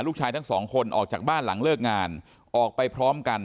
ลูกชายทั้งสองคนออกจากบ้านหลังเลิกงานออกไปพร้อมกัน